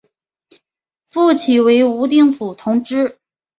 复起为武定府同知。